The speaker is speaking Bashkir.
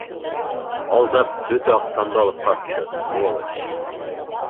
Алдап, бөтә аҡсамды алып ҡасты, сволочь!